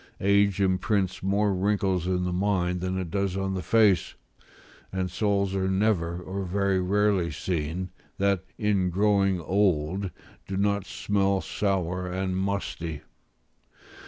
Age imprints more wrinkles in the mind than it does on the face; and souls are never, or very rarely seen, that, in growing old, do not smell sour and musty.